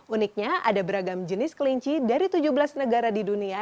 uniknya ada beragam jenis kelinci dari tujuh belas negara di dunia